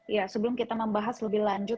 ya sebelum kita membahas lebih lanjut